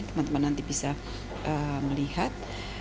teman teman nanti bisa melihat